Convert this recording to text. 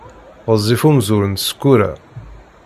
Ɣezzif umzur n Sekkura.